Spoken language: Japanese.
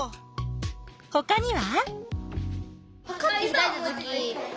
ほかには？